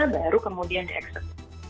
baru kemudian di accept